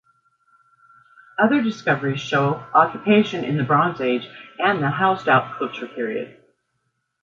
Other discoveries show occupation in the Bronze Age and the Hallstatt Culture period.